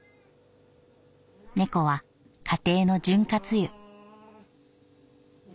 猫は家庭の潤滑油」。